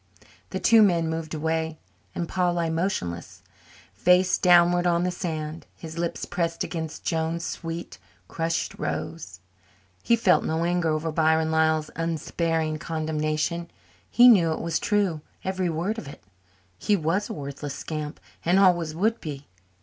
The two moved away then, and Paul lay motionless, face downward on the sand, his lips pressed against Joan's sweet, crushed rose. He felt no anger over Byron Lyall's unsparing condemnation. He knew it was true, every word of it. He was a worthless scamp and always would be.